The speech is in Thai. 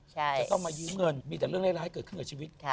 จะต้องมายืมเงินมีแต่เรื่องร้ายเกิดขึ้นกับชีวิต